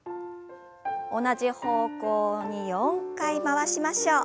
同じ方向に４回回しましょう。